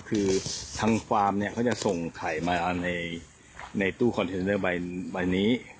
คือทางฟาร์มเนี่ยเขาจะส่งไข่มาในตู้คอนเทนเนอร์ใบนี้